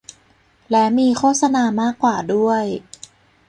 และมีโฆษณามากกว่าด้วย